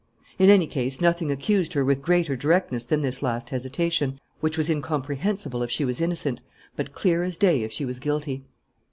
In any case nothing accused her with greater directness than this last hesitation, which was incomprehensible if she was innocent, but clear as day if she was guilty!